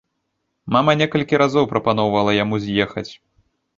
Мама некалькі разоў прапаноўвала яму з'ехаць.